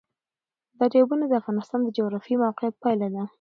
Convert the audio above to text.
دریابونه د افغانستان د جغرافیایي موقیعت پایله ده.